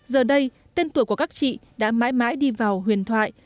giờ đây tên tuổi của các chị đã mãi mãi đi vào huyền thoại